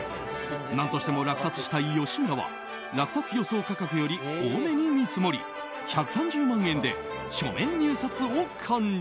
何としても落札したい吉村は落札予想価格より多めに見積もり１３０万円で書面入札を完了。